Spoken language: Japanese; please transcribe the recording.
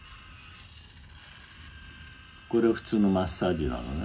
「これは普通のマッサージなのね」